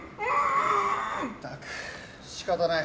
ったく、仕方ない。